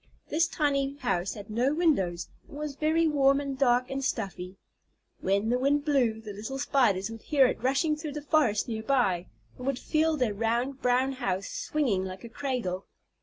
This tiny house had no windows, and was very warm and dark and stuffy. When the wind blew, the little Spiders would hear it rushing through the forest near by, and would feel their round brown house swinging like a cradle.